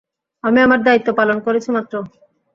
আমি আমার দায়িত্ব পালন করেছি মাত্র।